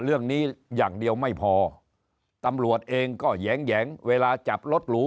เรื่องนี้อย่างเดียวไม่พอตำรวจเองก็แหงเวลาจับรถหรู